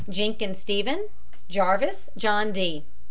JENKIN, STEPHEN. JARVIS, JOHN D.